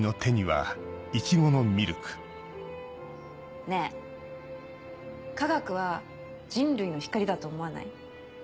確かにねぇ科学は人類の光だと思わない？